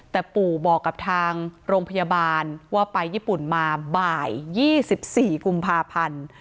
แต่ปู่บอกกับทางโรงพยาบาลว่าไปญี่ปุ่นมาบ่าย๒๔กุมภาพันธ์